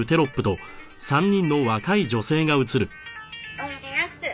「おいでやす。